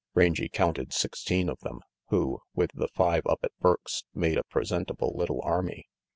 Rangy counted sixteen of them, who, with the five up at Burke's, made a presentable little army.